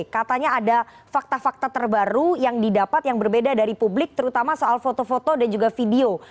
katanya ada fakta fakta terbaru yang didapat yang berbeda dari publik terutama soal foto foto dan juga video